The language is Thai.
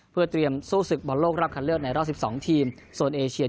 เพื่อเตรียมสู้ศึกบอลโลกรอบคันเลือกในรอบ๑๒ทีมโซนเอเชีย